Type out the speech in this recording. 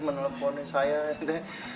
menelpon saya nih teh